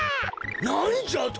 なんじゃと！？